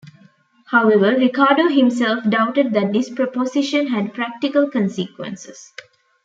However, Ricardo himself doubted that this proposition had practical consequences.